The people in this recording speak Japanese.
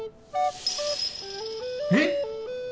えっ！